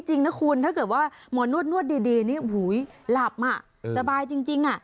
จริงนะคุณถ้าเกิดว่าหมอนวดนวดดีนี่หูยหลับอ่ะสบายจริงอ่ะ